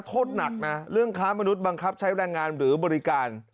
โทษหนักนะเรื่องค้ามนุษย์บังคับใช้แรงงานหรือบริการ